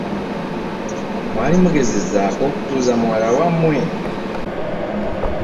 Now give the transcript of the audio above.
Mwali mugezezzaako okutuuza muwala wammwe?